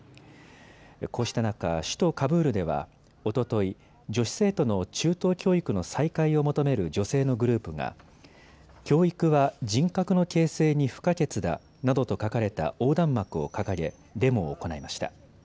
こうした中、首都カブールではおととい、女子生徒の中等教育の再開を求める女性のグループが教育は人格の形成に不可欠だなどと書かれた横断幕を掲げデモを行いました。